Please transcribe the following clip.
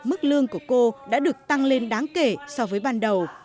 mức lương của cô đã được tăng lên đáng kể so với ban đầu